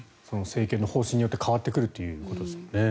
政権の方針によって変わってくるということですね。